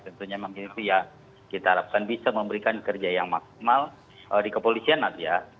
tentunya memang kita harapkan bisa memberikan kerja yang makmal di kepolisian nanti ya